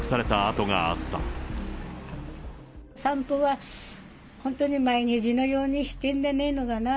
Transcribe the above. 散歩は本当に毎日のようにしてるでねえのかな。